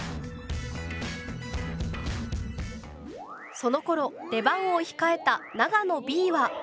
そのころ出番を控えた長野Ｂは。